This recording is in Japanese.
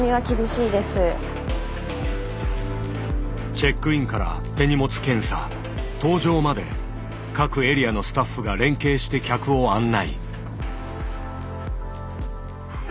チェックインから手荷物検査搭乗まで各エリアのスタッフが連携して客を案内。